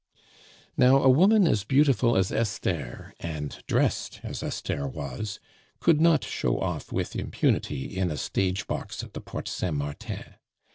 Now a woman as beautiful as Esther, and dressed as Esther was, could not show off with impunity in a stage box at the Porte Saint Martin.